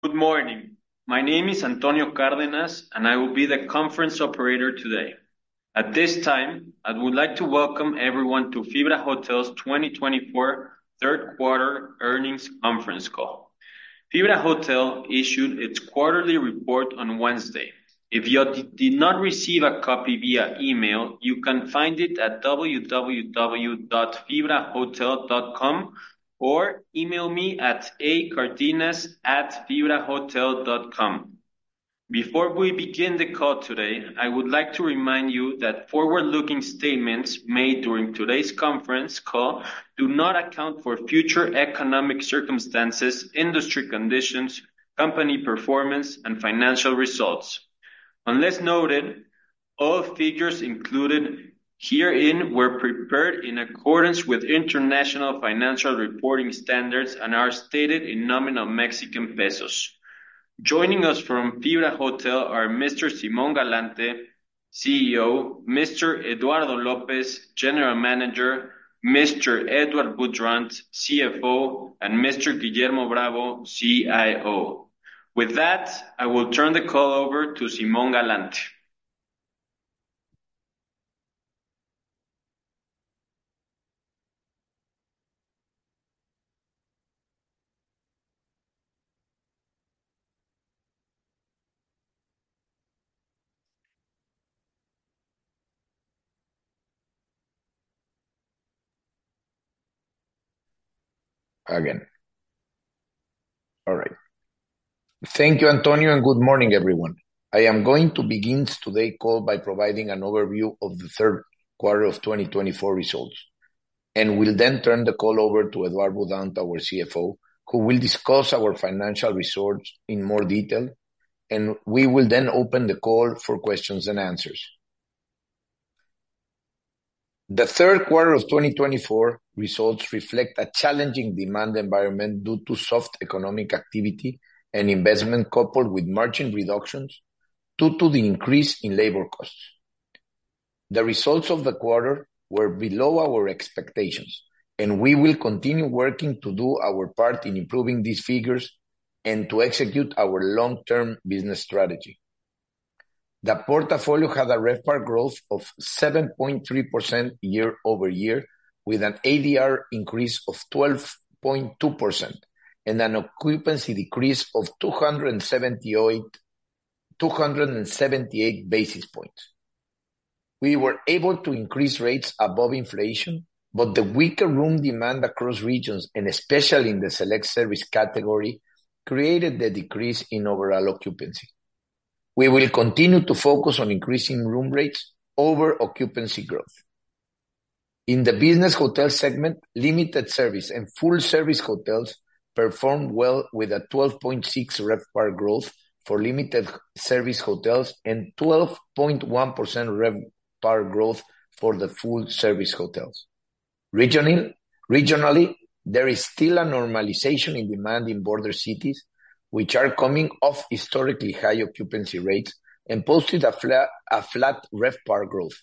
Good morning. My name is Antonio Cárdenas, and I will be the conference operator today. At this time, I would like to welcome everyone to Fibra Hotel's twenty twenty-four third quarter earnings conference call. Fibra Hotel issued its quarterly report on Wednesday. If you did not receive a copy via email, you can find it at www.fibrahotel.com or email me at acardenas@fibrahotel.com. Before we begin the call today, I would like to remind you that forward-looking statements made during today's conference call do not account for future economic circumstances, industry conditions, company performance, and financial results. Unless noted, all figures included herein were prepared in accordance with international financial reporting standards and are stated in nominal Mexican pesos. Joining us from Fibra Hotel are Mr. Simón Galante, CEO; Mr. Eduardo López, General Manager; Mr. Edouard Boudrant, CFO; and Mr. Guillermo Bravo, CIO. With that, I will turn the call over to Simón Galante. Again. All right. Thank you, Antonio, and good morning, everyone. I am going to begin today's call by providing an overview of the third quarter of twenty twenty-four results, and will then turn the call over to Edouard Boudrant, our CFO, who will discuss our financial results in more detail, and we will then open the call for questions and answers. The third quarter of twenty twenty-four results reflect a challenging demand environment due to soft economic activity and investment, coupled with margin reductions due to the increase in labor costs. The results of the quarter were below our expectations, and we will continue working to do our part in improving these figures and to execute our long-term business strategy. The portfolio had a RevPAR growth of 7.3% year over year, with an ADR increase of 12.2% and an occupancy decrease of two hundred and seventy-eight basis points. We were able to increase rates above inflation, but the weaker room demand across regions, and especially in the select service category, created the decrease in overall occupancy. We will continue to focus on increasing room rates over occupancy growth. In the business hotel segment, limited service and full service hotels performed well with a 12.6 RevPAR growth for limited service hotels and 12.1% RevPAR growth for the full service hotels. Regionally, there is still a normalization in demand in border cities, which are coming off historically high occupancy rates and posted a flat RevPAR growth.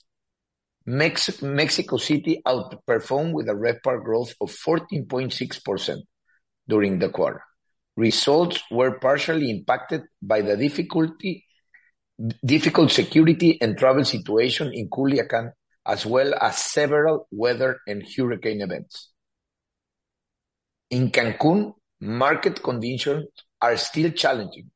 Mexico City outperformed with a RevPAR growth of 14.6% during the quarter. Results were partially impacted by the difficult security and travel situation in Culiacán, as well as several weather and hurricane events. In Cancun, market conditions are still challenging.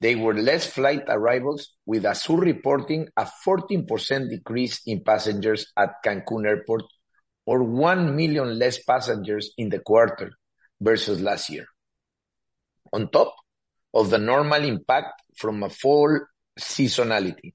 There were less flight arrivals, with ASUR reporting a 14% decrease in passengers at Cancun Airport, or one million less passengers in the quarter versus last year, on top of the normal impact from a fall seasonality.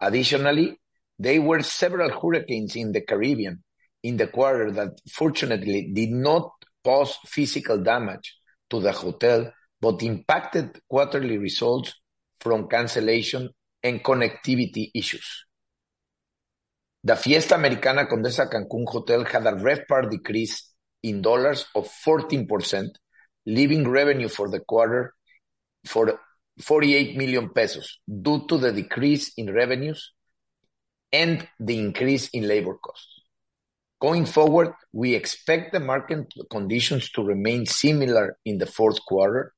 Additionally, there were several hurricanes in the Caribbean in the quarter that fortunately did not cause physical damage to the hotel, but impacted quarterly results from cancellation and connectivity issues. The Fiesta Americana Condesa Cancun hotel had a RevPAR decrease in USD of 14%, leaving revenue for the quarter for 48 million pesos due to the decrease in revenues and the increase in labor costs. Going forward, we expect the market conditions to remain similar in the fourth quarter.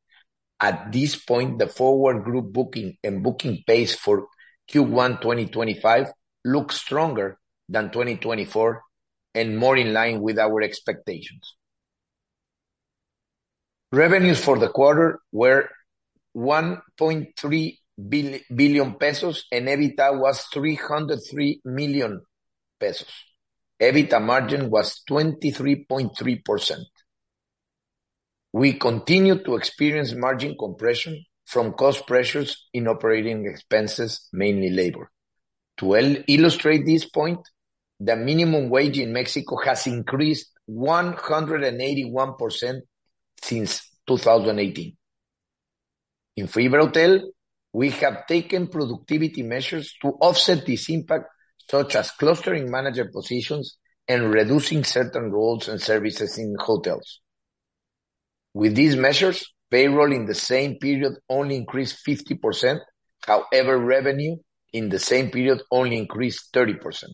At this point, the forward group booking and booking pace for Q1 2025 looks stronger than 2024 and more in line with our expectations. Revenues for the quarter were 1.3 billion pesos, and EBITDA was 303 million pesos. EBITDA margin was 23.3%. We continue to experience margin compression from cost pressures in operating expenses, mainly labor. To illustrate this point, the minimum wage in Mexico has increased 181% since 2018. In Fibra Hotel, we have taken productivity measures to offset this impact, such as clustering manager positions and reducing certain roles and services in hotels. With these measures, payroll in the same period only increased 50%. However, revenue in the same period only increased 30%.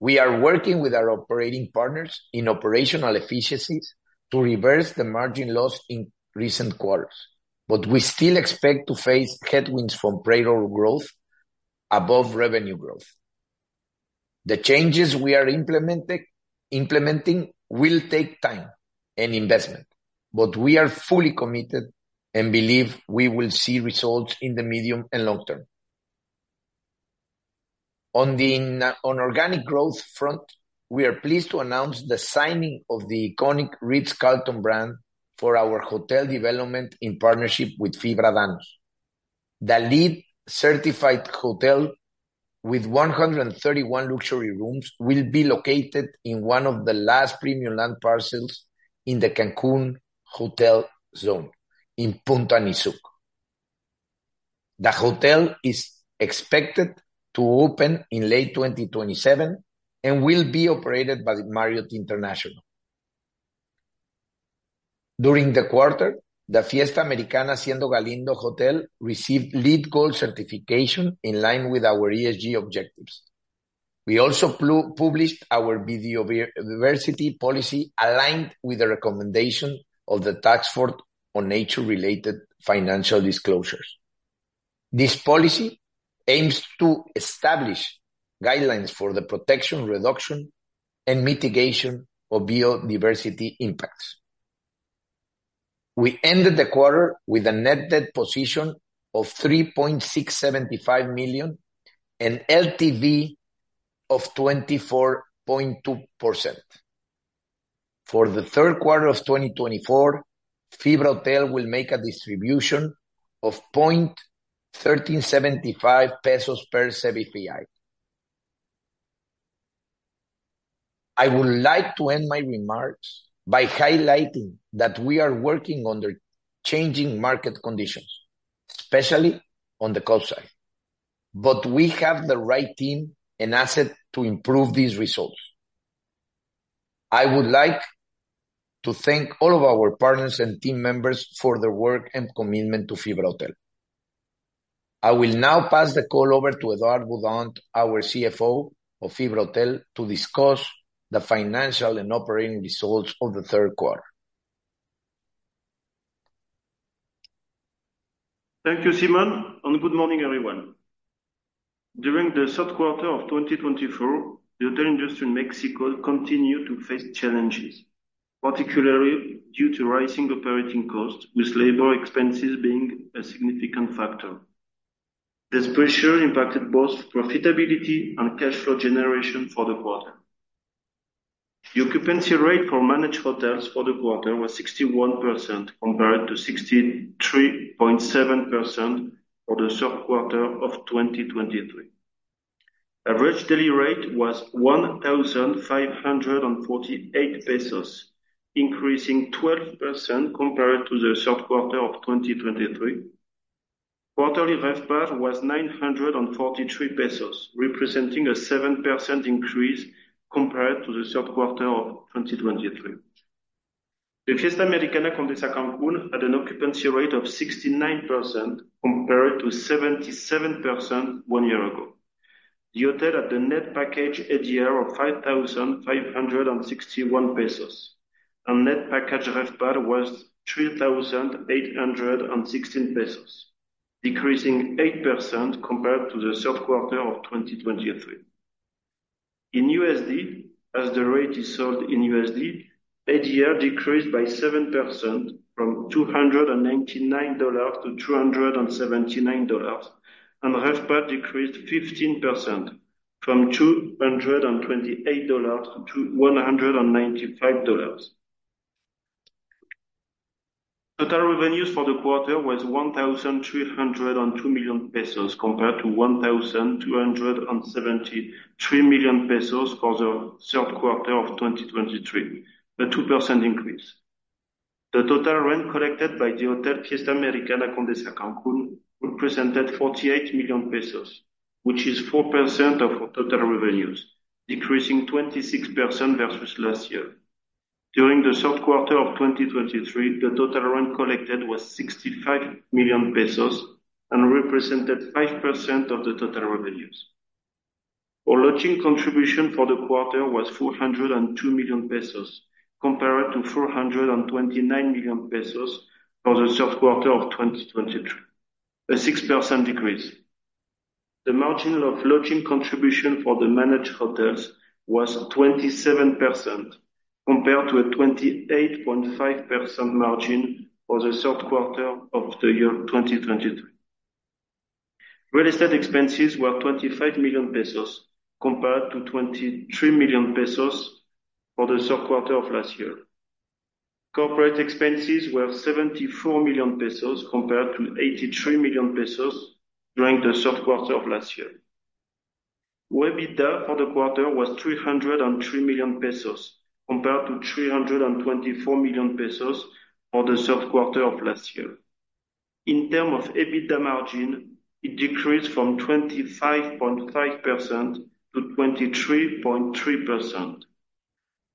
We are working with our operating partners in operational efficiencies to reverse the margin loss in recent quarters, but we still expect to face headwinds from payroll growth above revenue growth. The changes we are implementing will take time and investment, but we are fully committed and believe we will see results in the medium and long term. On the organic growth front, we are pleased to announce the signing of the iconic Ritz-Carlton brand for our hotel development in partnership with Fibra Danhos. The LEED-certified hotel with 131 luxury rooms will be located in one of the last premium land parcels in the Cancun Hotel Zone in Punta Nizuc. The hotel is expected to open in late 2027 and will be operated by Marriott International. During the quarter, the Fiesta Americana Hacienda Galindo Hotel received LEED Gold certification in line with our ESG objectives. We also published our biodiversity policy, aligned with the recommendation of the Task Force on Nature-related Financial Disclosures. This policy aims to establish guidelines for the protection, reduction, and mitigation of biodiversity impacts. We ended the quarter with a net debt position of 3.675 million and LTV of 24.2%. For the third quarter of 2024, Fibra Hotel will make a distribution of 0.1375 pesos per CBFI. I would like to end my remarks by highlighting that we are working under changing market conditions, especially on the cost side, but we have the right team and asset to improve these results. I would like to thank all of our partners and team members for their work and commitment to Fibra Hotel. I will now pass the call over to Edouard Boudrant, our CFO of Fibra Hotel, to discuss the financial and operating results of the third quarter. Thank you, Simón, and good morning, everyone. During the third quarter of 2024, the hotel industry in Mexico continued to face challenges, particularly due to rising operating costs, with labor expenses being a significant factor. This pressure impacted both profitability and cash flow generation for the quarter. The occupancy rate for managed hotels for the quarter was 61%, compared to 63.7% for the third quarter of 2023. Average daily rate was 1,548 pesos, increasing 12% compared to the third quarter of 2023. Quarterly RevPAR was 943 pesos, representing a 7% increase compared to the third quarter of 2023. The Fiesta Americana Condesa Cancun had an occupancy rate of 69%, compared to 77% one year ago. The hotel had a net package ADR of 5,556 pesos, and net package RevPAR was 3,816 pesos, decreasing 8% compared to the third quarter of 2023. In USD, as the rate is sold in USD, ADR decreased by 7% from $299 to $279, and RevPAR decreased 15% from $228 to $195. Total revenues for the quarter was 1,302 million pesos, compared to 1,273 million pesos for the third quarter of 2023, a 2% increase. The total rent collected by the Hotel Fiesta Americana Condesa Cancun represented 48 million pesos, which is 4% of our total revenues, decreasing 26% versus last year. During the third quarter of 2023, the total rent collected was 65 million pesos and represented 5% of the total revenues. Our lodging contribution for the quarter was 402 million pesos, compared to 429 million pesos for the third quarter of 2023, a 6% decrease. The margin of lodging contribution for the managed hotels was 27%, compared to a 28.5% margin for the third quarter of the year 2023. Real estate expenses were 25 million pesos, compared to 23 million pesos for the third quarter of last year. Corporate expenses were 74 million pesos, compared to 83 million pesos during the third quarter of last year. EBITDA for the quarter was 303 million pesos, compared to 324 million pesos for the third quarter of last year. In terms of EBITDA margin, it decreased from 25.5% to 23.3%.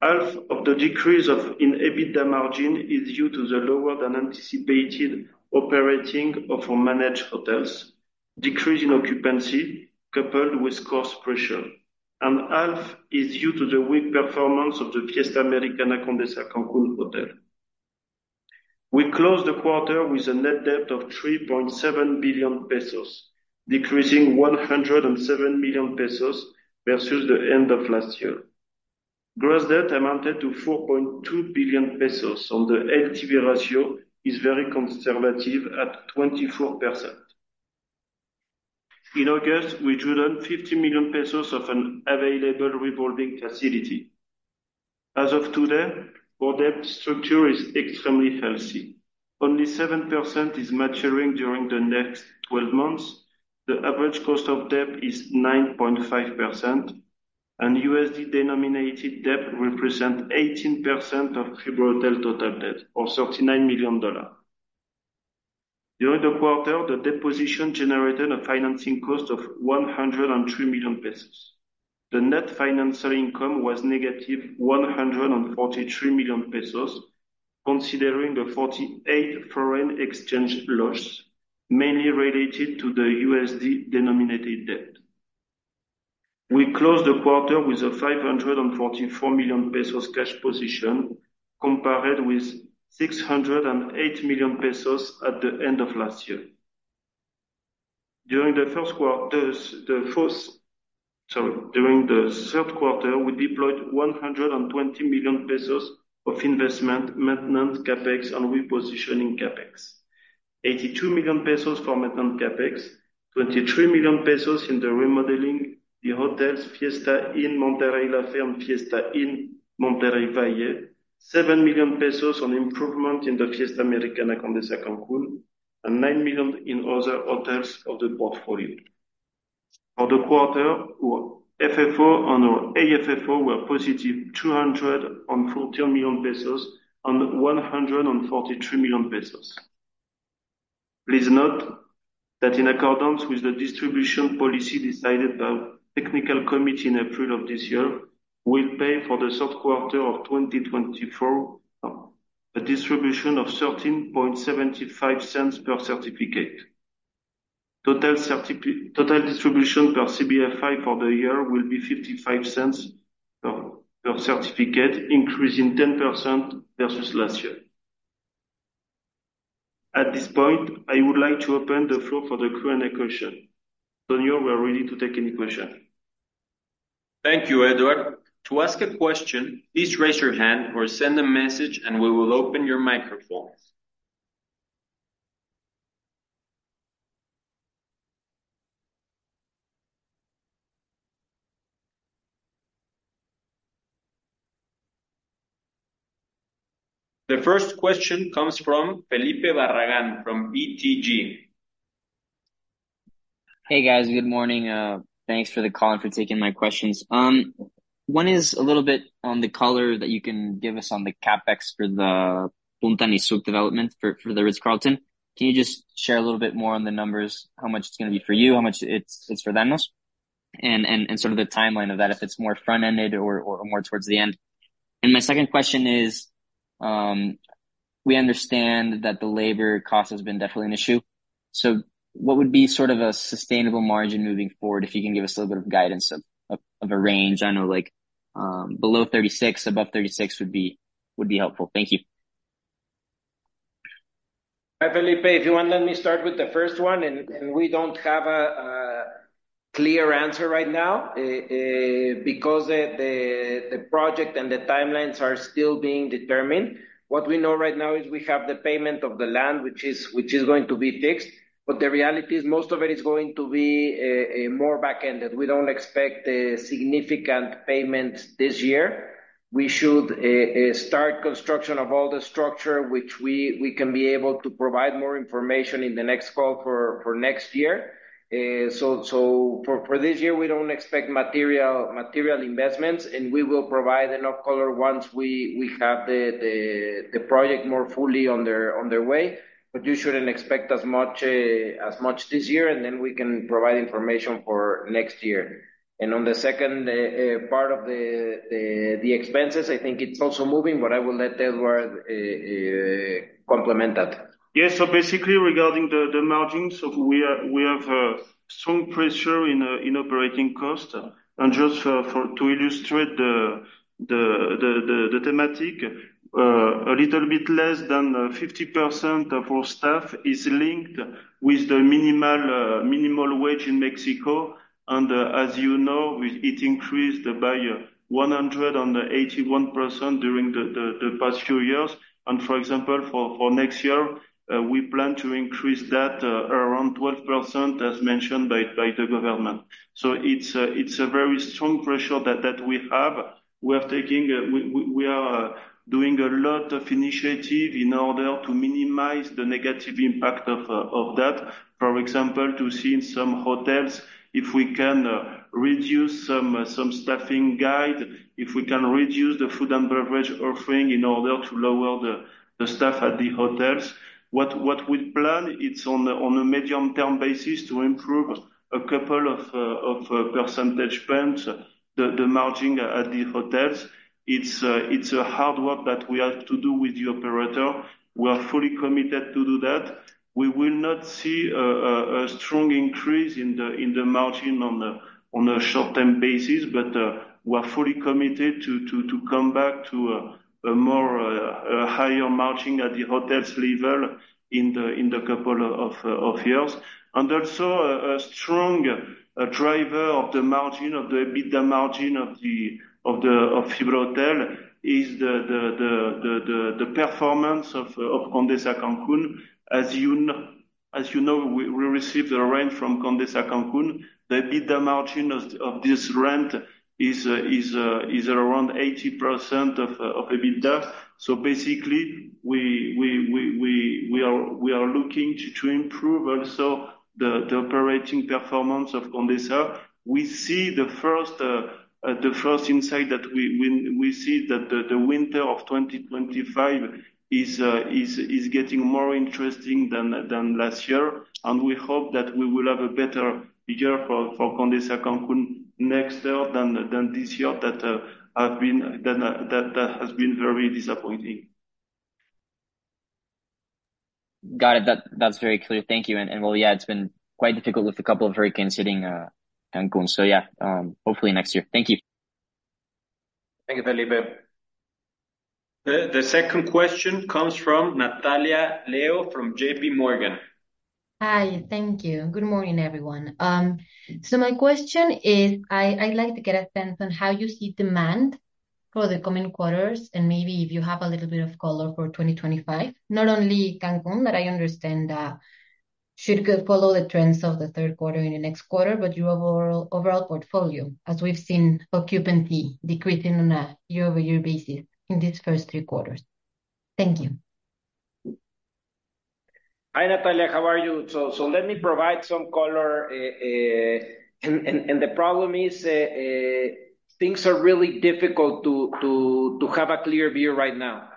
Half of the decrease in EBITDA margin is due to the lower than anticipated operations of our managed hotels, decrease in occupancy coupled with cost pressure, and half is due to the weak performance of the Fiesta Americana Condesa Cancun hotel. We closed the quarter with a net debt of 3.7 billion pesos, decreasing 107 million pesos versus the end of last year. Gross debt amounted to 4.2 billion pesos, and the LTV ratio is very conservative at 24%. In August, we drew down 50 million pesos of an available revolving facility. As of today, our debt structure is extremely healthy. Only 7% is maturing during the next twelve months. The average cost of debt is 9.5%, and USD-denominated debt represent 18% of Fibra Hotel total debt, or $39 million dollars. During the quarter, the debt position generated a financing cost of 103 million pesos. The net financial income was negative 143 million pesos, considering the 48 million pesos foreign exchange loss, mainly related to the USD-denominated debt. We closed the quarter with a 544 million pesos cash position, compared with 608 million pesos at the end of last year. During the third quarter, we deployed 120 million pesos of investment, maintenance, CapEx, and repositioning CapEx. 82 million pesos for maintenance CapEx, 23 million pesos in the remodeling the hotels Fiesta Inn Monterrey La Fe and Fiesta Inn Monterrey Valle, 7 million pesos on improvement in the Fiesta Americana Condesa Cancun, and 9 million in other hotels of the portfolio. For the quarter, our FFO and our AFFO were positive, 240 million pesos and 143 million pesos. Please note that in accordance with the distribution policy decided by technical committee in April of this year, we'll pay for the third quarter of 2024, a distribution of 0.1375 per certificate. Total distribution per CBFI for the year will be 0.55 per certificate, increasing 10% versus last year. At this point, I would like to open the floor for the Q&A question. Tonio, we are ready to take any question. Thank you, Edouard. To ask a question, please raise your hand or send a message, and we will open your microphones. The first question comes from Felipe Barragán from BTG. Hey, guys. Good morning. Thanks for the call and for taking my questions. One is a little bit on the color that you can give us on the CapEx for the Punta Nizuc development for the Ritz-Carlton. Can you just share a little bit more on the numbers? How much it's gonna be for you, how much it's for them, and sort of the timeline of that, if it's more front-ended or more towards the end. And my second question is, we understand that the labor cost has been definitely an issue. So what would be sort of a sustainable margin moving forward, if you can give us a little bit of guidance of a range? I know, like, below thirty-six, above thirty-six would be helpful. Thank you. Hi, Felipe. If you want, let me start with the first one, and we don't have a clear answer right now, because the project and the timelines are still being determined. What we know right now is we have the payment of the land, which is going to be fixed, but the reality is most of it is going to be more back-ended. We don't expect a significant payment this year. We should start construction of all the structure, which we can be able to provide more information in the next call for next year. So for this year, we don't expect material investments, and we will provide enough color once we have the project more fully on their way. But you shouldn't expect as much this year, and then we can provide information for next year. And on the second part of the expenses, I think it's also moving, but I will let Edouard complement that. Yes. Basically, regarding the margins, we have strong pressure in operating cost. And just to illustrate the theme, a little bit less than 50% of our staff is linked with the minimum wage in Mexico. And, as you know, it increased by 181% during the past few years. And, for example, for next year, we plan to increase that around 12%, as mentioned by the government. It's a very strong pressure that we have. We are doing a lot of initiatives in order to minimize the negative impact of that. For example, to see in some hotels, if we can reduce some staffing guide, if we can reduce the food and beverage offering in order to lower the staff at the hotels. What we plan, it's on a medium-term basis, to improve a couple of percentage points, the margin at the hotels. It's a hard work that we have to do with the operator. We are fully committed to do that. We will not see a strong increase in the margin on a short-term basis, but we're fully committed to come back to a more higher margin at the hotels level in the couple of years. And also, a strong driver of the margin, of the EBITDA margin of Fibra Hotel is the performance of Condesa Cancun. As you know, we received a rent from Condesa Cancun. The EBITDA margin of this rent is around 80% of EBITDA. So basically, we are looking to improve also the operating performance of Condesa. We see the first insight that we see that the winter of 2025 is getting more interesting than last year, and we hope that we will have a better year for Condesa Cancun next year than this year that has been very disappointing. Got it. That, that's very clear. Thank you. Well, yeah, it's been quite difficult with a couple of hurricanes hitting Cancun. So yeah, hopefully next year. Thank you. Thank you, Felipe. The second question comes from Natalia Leo, from J.P. Morgan. Hi, thank you. Good morning, everyone. So my question is, I'd like to get a sense on how you see demand for the coming quarters, and maybe if you have a little bit of color for twenty twenty-five. Not only Cancun, but I understand that should go follow the trends of the third quarter in the next quarter, but your overall portfolio, as we've seen occupancy decreasing on a year-over-year basis in these first three quarters. Thank you. Hi, Natalia. How are you? Let me provide some color. The problem is things are really difficult to have a clear view right now.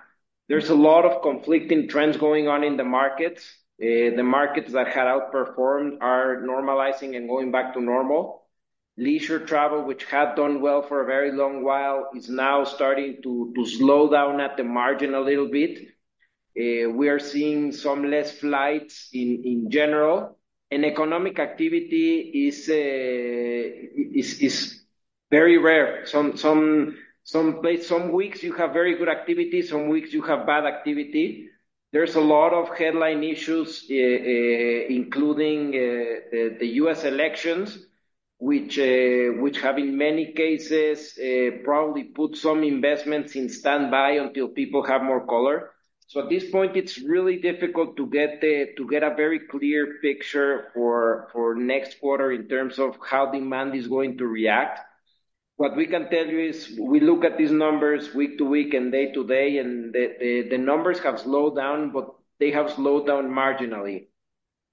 There's a lot of conflicting trends going on in the markets. The markets that had outperformed are normalizing and going back to normal. Leisure travel, which had done well for a very long while, is now starting to slow down at the margin a little bit. We are seeing some less flights in general, and economic activity is very rare. Some weeks you have very good activity, some weeks you have bad activity. There's a lot of headline issues, including the U.S. elections, which have, in many cases, probably put some investments in standby until people have more color. So at this point, it's really difficult to get a very clear picture for next quarter in terms of how demand is going to react. What we can tell you is, we look at these numbers week to week and day to day, and the numbers have slowed down, but they have slowed down marginally.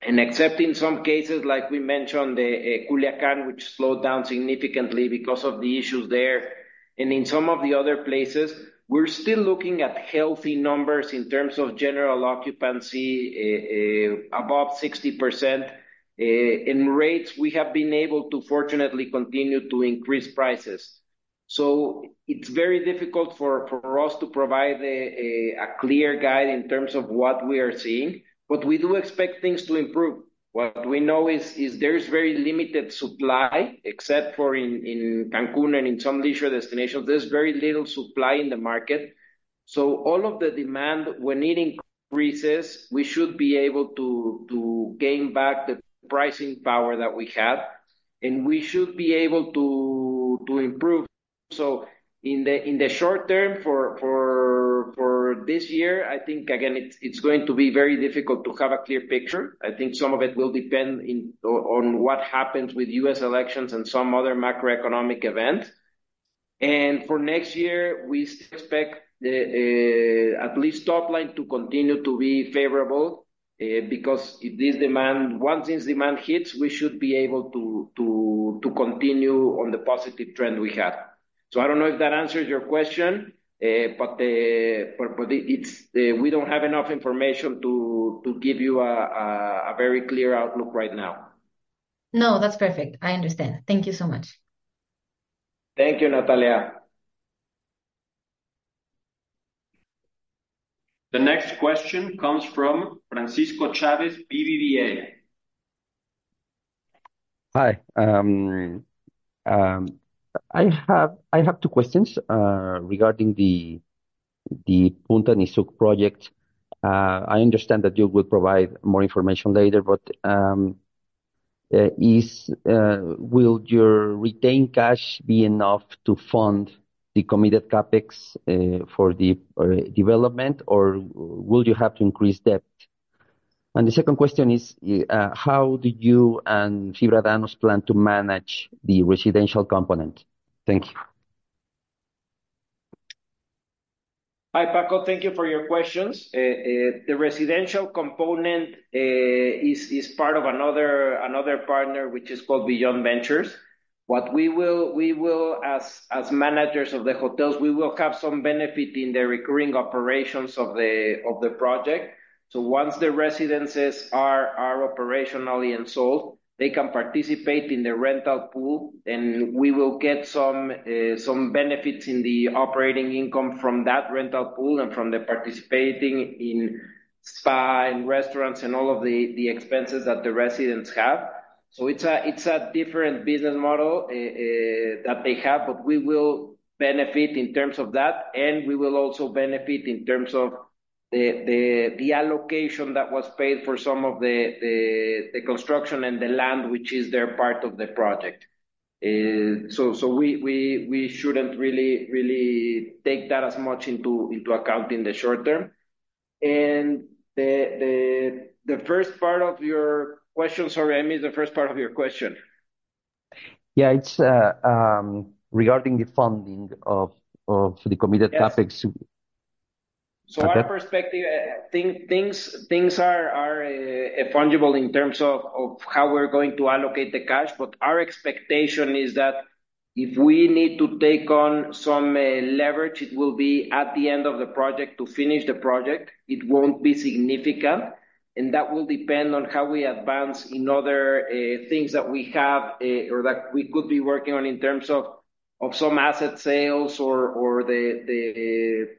And except in some cases, like we mentioned, the Culiacán, which slowed down significantly because of the issues there. And in some of the other places, we're still looking at healthy numbers in terms of general occupancy above 60%. In rates, we have been able to fortunately continue to increase prices. So it's very difficult for us to provide a clear guide in terms of what we are seeing, but we do expect things to improve. What we know is there is very limited supply, except for in Cancun and in some leisure destinations, there's very little supply in the market. So all of the demand, we're needing increases, we should be able to gain back the pricing power that we had, and we should be able to improve. So in the short term, for this year, I think, again, it's going to be very difficult to have a clear picture. I think some of it will depend on what happens with U.S. elections and some other macroeconomic events. For next year, we still expect at least the top line to continue to be favorable, because once this demand hits, we should be able to continue on the positive trend we had. I don't know if that answers your question, but it's we don't have enough information to give you a very clear outlook right now. No, that's perfect. I understand. Thank you so much. Thank you, Natalia. The next question comes from Francisco Chavez, BBVA. Hi. I have two questions regarding the Punta Nizuc project. I understand that you will provide more information later, but, Will your retained cash be enough to fund the committed CapEx for the development, or will you have to increase debt? And the second question is: How do you and Fibra Danhos plan to manage the residential component? Thank you. Hi, Paco. Thank you for your questions. The residential component is part of another partner, which is called Beyond Ventures. What we will, as managers of the hotels, we will have some benefit in the recurring operations of the project. So once the residences are operational and so they can participate in the rental pool, and we will get some benefits in the operating income from that rental pool and from participating in spa, and restaurants, and all of the expenses that the residents have. So it's a different business model that they have, but we will benefit in terms of that, and we will also benefit in terms of the allocation that was paid for some of the construction and the land, which is their part of the project. So we shouldn't really take that as much into account in the short term. And the first part of your question. Sorry, tell me, the first part of your question? Yeah, it's regarding the funding of the committed topics. Yes. Okay. So our perspective, things are fungible in terms of how we're going to allocate the cash, but our expectation is that if we need to take on some leverage, it will be at the end of the project to finish the project. It won't be significant, and that will depend on how we advance in other things that we have or that we could be working on in terms of some asset sales or the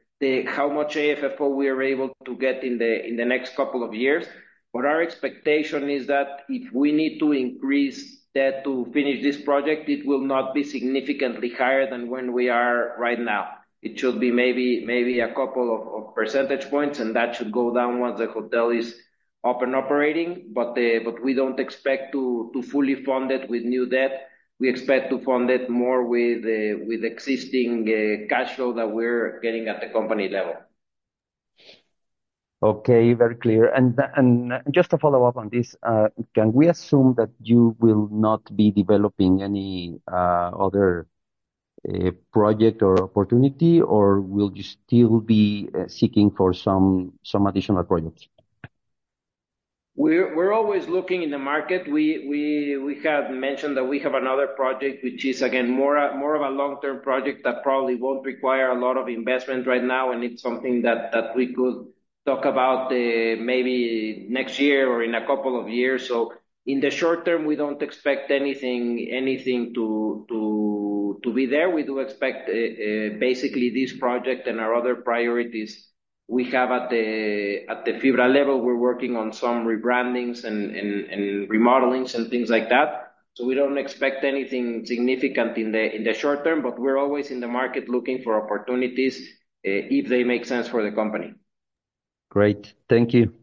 how much AFFO we are able to get in the next couple of years. But our expectation is that if we need to increase debt to finish this project, it will not be significantly higher than where we are right now. It should be maybe a couple of percentage points, and that should go down once the hotel is up and operating. But we don't expect to fully fund it with new debt. We expect to fund it more with existing cash flow that we're getting at the company level. Okay. Very clear. And just to follow up on this, can we assume that you will not be developing any other project or opportunity, or will you still be seeking for some additional projects? We're always looking in the market. We have mentioned that we have another project, which is, again, more of a long-term project that probably won't require a lot of investment right now, and it's something that we could talk about, maybe next year or in a couple of years. So in the short term, we don't expect anything to be there. We do expect, basically this project and our other priorities we have at the Fibra level. We're working on some rebrandings and remodelings and things like that. So we don't expect anything significant in the short term, but we're always in the market looking for opportunities, if they make sense for the company. Great. Thank you.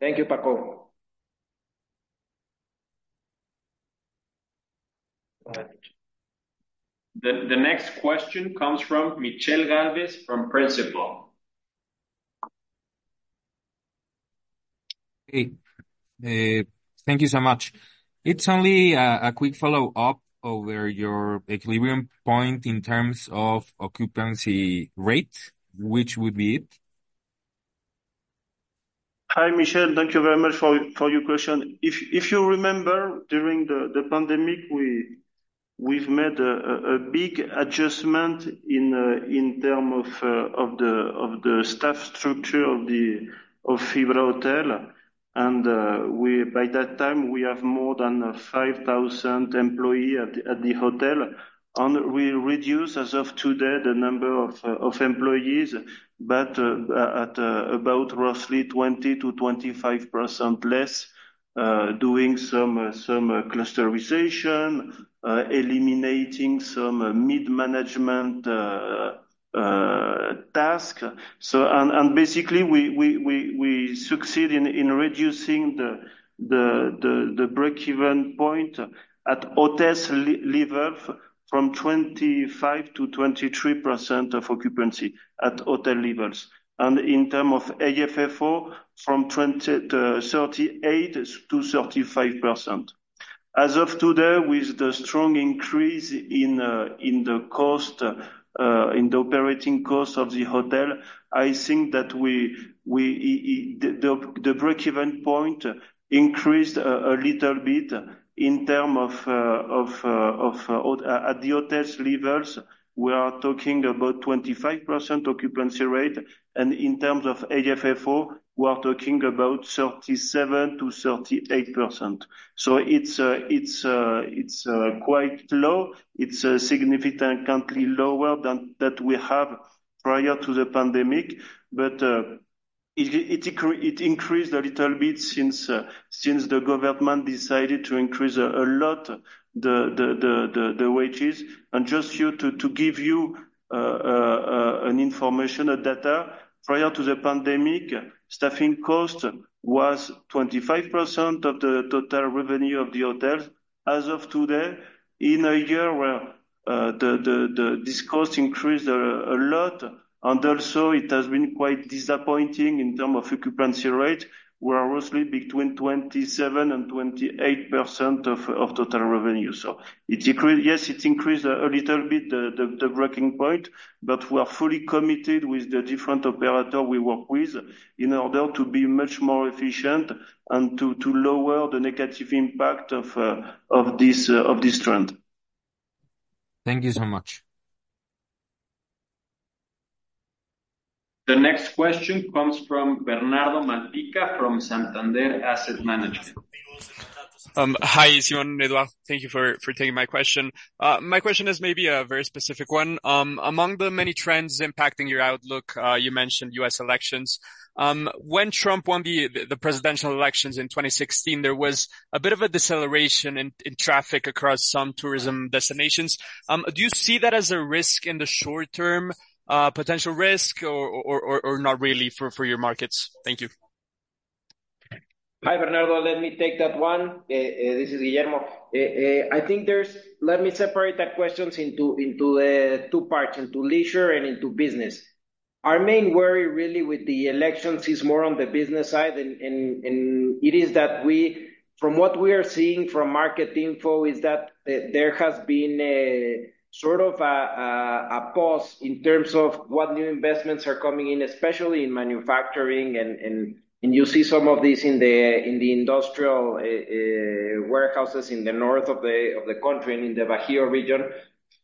Thank you, Paco. The next question comes from Michel Galvez, from Principal. Hey, thank you so much. It's only a quick follow-up over your equilibrium point in terms of occupancy rate, which would be it? Hi, Michel. Thank you very much for your question. If you remember, during the pandemic, we've made a big adjustment in terms of the staff structure of Fibra Hotel. And by that time, we had more than 5,000 employees at the hotels, and we reduced, as of today, the number of employees, but about roughly 20%-25% less, doing some clusterization, eliminating some mid-management tasks. Basically, we succeeded in reducing the break-even point at hotels level from 25% to 23% of occupancy at hotel levels, and in terms of AFFO, from 38% to 35%. As of today, with the strong increase in the operating cost of the hotel, I think that. The break-even point increased a little bit in term of. At the hotels levels, we are talking about 25% occupancy rate, and in terms of AFFO, we are talking about 37%-38%. So it's quite low. It's significantly lower than that we have prior to the pandemic, but it increased a little bit since the government decided to increase a lot the wages, and just to give you an information, a data, prior to the pandemic, staffing cost was 25% of the total revenue of the hotels. As of today, in a year where this cost increased a lot, and also it has been quite disappointing in terms of occupancy rate. We're roughly between 27% and 28% of total revenue. So it increased. Yes, it increased a little bit, the breakeven point, but we are fully committed with the different operator we work with in order to be much more efficient and to lower the negative impact of this trend. Thank you so much. The next question comes from Bernardo Mántica from Santander Asset Management. Hi, Simon, Eduardo. Thank you for taking my question. My question is maybe a very specific one. Among the many trends impacting your outlook, you mentioned U.S. elections. When Trump won the presidential elections in twenty sixteen, there was a bit of a deceleration in traffic across some tourism destinations. Do you see that as a risk in the short term, potential risk or not really for your markets? Thank you. Hi, Bernardo. Let me take that one. This is Guillermo. I think there's. Let me separate that question into two parts, into leisure and into business. Our main worry really with the elections is more on the business side than in. It is that we. From what we are seeing from market info, is that there has been a sort of a pause in terms of what new investments are coming in, especially in manufacturing and you see some of these in the industrial warehouses in the north of the country and in the Bajío region.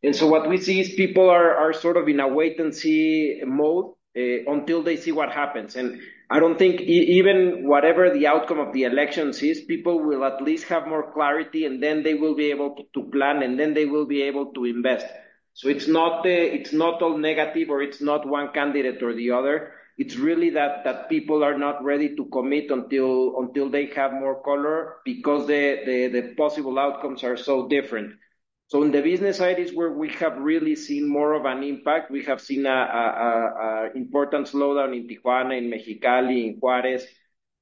And so what we see is people are sort of in a wait-and-see mode until they see what happens. And I don't think even whatever the outcome of the elections is, people will at least have more clarity, and then they will be able to plan, and then they will be able to invest. So it's not all negative or it's not one candidate or the other. It's really that people are not ready to commit until they have more color, because the possible outcomes are so different. So in the business side is where we have really seen more of an impact. We have seen an important slowdown in Tijuana, in Mexicali, in Juárez,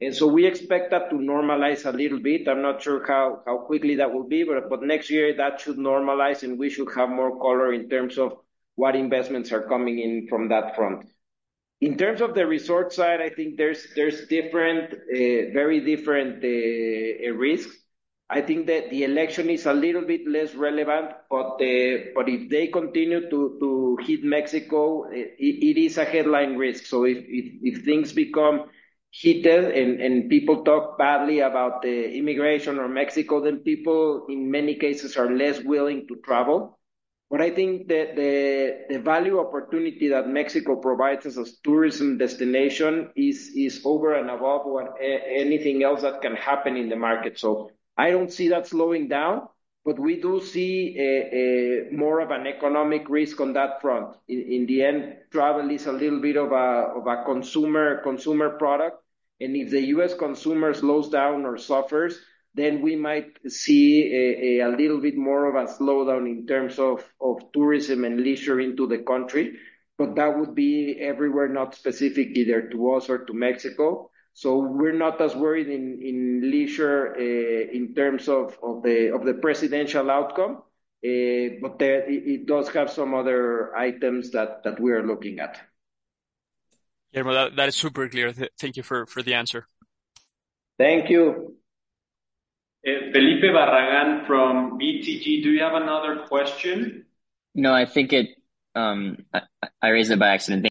and so we expect that to normalize a little bit. I'm not sure how quickly that will be, but next year that should normalize, and we should have more color in terms of what investments are coming in from that front. In terms of the resort side, I think there's different, very different risks. I think that the election is a little bit less relevant, but if they continue to hit Mexico, it is a headline risk. So if things become heated and people talk badly about the immigration or Mexico, then people, in many cases, are less willing to travel. But I think the value opportunity that Mexico provides as a tourism destination is over and above what anything else that can happen in the market. So I don't see that slowing down, but we do see a more of an economic risk on that front. In the end, travel is a little bit of a consumer product, and if the U.S. consumer slows down or suffers, then we might see a little bit more of a slowdown in terms of tourism and leisure into the country, but that would be everywhere, not specific either to us or to Mexico. So we're not as worried in leisure in terms of the presidential outcome, but there it does have some other items that we are looking at. Guillermo, that is super clear. Thank you for the answer. Thank you. Felipe Barragan from BTG, do you have another question? No, I think it, I raised it by accident.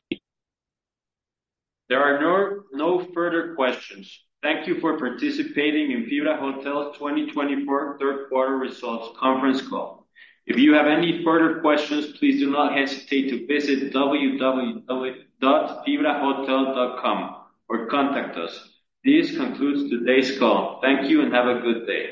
Thank you. There are no further questions. Thank you for participating in Fibra Hotel's 2024 third quarter results conference call. If you have any further questions, please do not hesitate to visit www.fibrahotel.com or contact us. This concludes today's call. Thank you and have a good day.